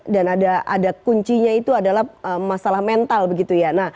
dan ada kuncinya itu adalah masalah mental begitu ya